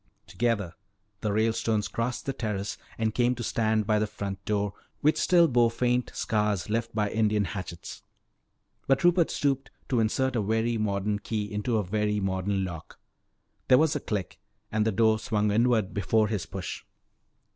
Together the Ralestones crossed the terrace and came to stand by the front door which still bore faint scars left by Indian hatchets. But Rupert stooped to insert a very modern key into a very modern lock. There was a click and the door swung inward before his push. "The Long Hall!"